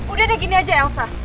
udah deh gini aja elsa